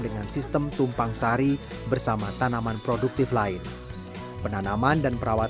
dengan sistem tumpang sari bersama tanaman produktif lain penanaman dan perawatan